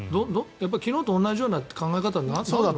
昨日と同じような考え方になるのかな。